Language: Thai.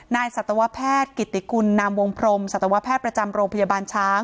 สัตวแพทย์กิติกุลนามวงพรมสัตวแพทย์ประจำโรงพยาบาลช้าง